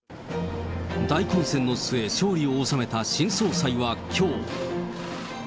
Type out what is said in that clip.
大混戦の末、勝利を収めた新総裁はきょう。